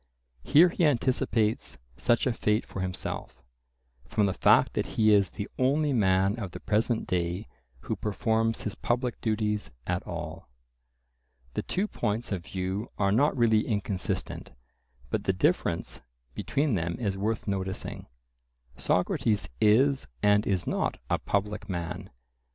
Here he anticipates such a fate for himself, from the fact that he is "the only man of the present day who performs his public duties at all." The two points of view are not really inconsistent, but the difference between them is worth noticing: Socrates is and is not a public man.